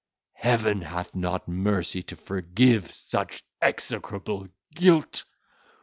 Heaven hath not mercy to forgive such execrable guilt.